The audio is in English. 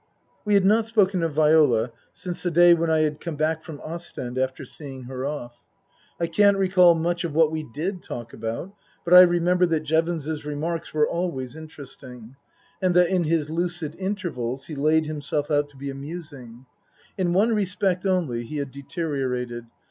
We had not spoken of Viola since the day when I had come back from Ostend after seeing her off. I can't recall much of what we did talk about, but I remember that Jevons's remarks were always interesting, and that in his lucid intervals he laid himself out to be amusing. In one respect only he had deteriorated.